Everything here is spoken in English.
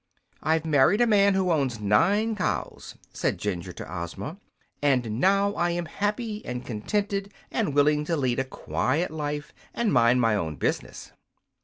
"I've married a man who owns nine cows," said Jinjur to Ozma, "and now I am happy and contented and willing to lead a quiet life and mind my own business."